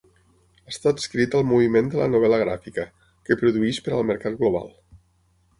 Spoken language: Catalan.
Està adscrit al moviment de la novel·la gràfica, que produeix per al mercat global.